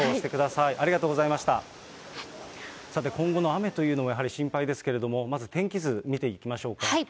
さて、今後の雨というのがやはり心配ですけれども、まず天気図見ていきましょうか。